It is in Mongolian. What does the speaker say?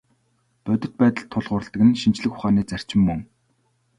Бодит байдалд тулгуурладаг нь шинжлэх ухааны зарчим мөн.